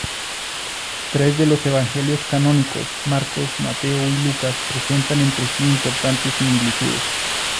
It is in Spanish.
Tres de los evangelios canónicos, Marcos, Mateo y Lucas, presentan entre sí importantes similitudes.